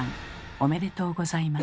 おめでとうございます。